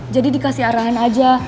jadi dikasih arahan aja